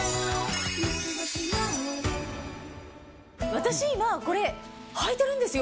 私今これ履いてるんですよ！